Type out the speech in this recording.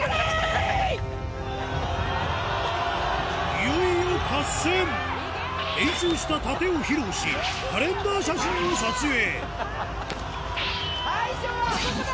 いよいよ合戦練習した殺陣を披露しカレンダー写真を撮影大将はあそこだ！